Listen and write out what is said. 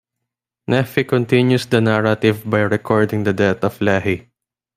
Nephi continues the narrative by recording the death of Lehi.